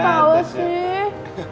lo kenapa tau sih